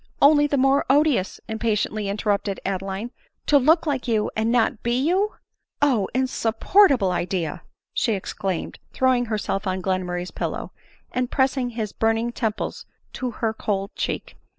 " Only the more odious," impatiently interrupted Ad eline. " To look like you, and not be you, Oh ! insup portable idea !" she exclaimed, throwing herself on Glenmurray's pillow, and pressing his burning temples to her cold cheek.